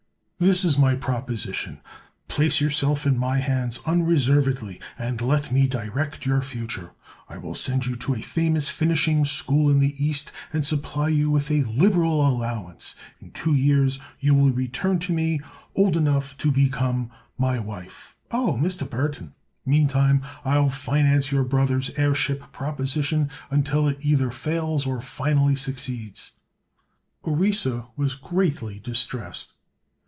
This is my proposition: place yourself in my hands unreservedly, and let me direct your future. I will send you to a famous finishing school in the East and supply you with a liberal allowance. In two years you will return to me, old enough to become my wife." "Oh, Mr. Burthon!" "Meantime I'll finance your brother's airship proposition until it either fails or finally succeeds." Orissa was greatly distressed.